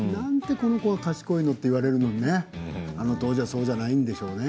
この子は賢いの？と言われるのにあの当時はそうじゃないんでしょうね。